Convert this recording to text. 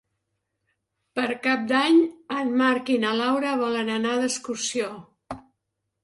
Per Cap d'Any en Marc i na Laura volen anar d'excursió.